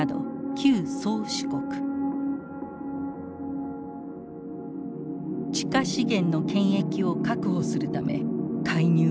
地下資源の権益を確保するため介入を続けていた。